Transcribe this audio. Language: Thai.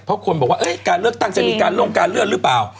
เพราะคนบอกว่าการเลือกตั้งจะมีการลงการเลื่อนหรือเปล่า